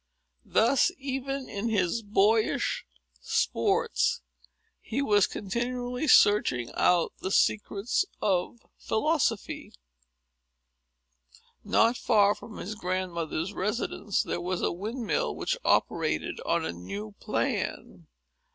Thus, even in his boyish sports, he was continually searching out the secrets of philosophy. Not far from his grandmother's residence there was a windmill, which operated on a new plan.